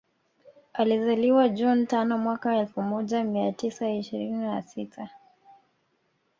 Alizaliwa June tano mwaka elfu moja mia tisa ishirini na sita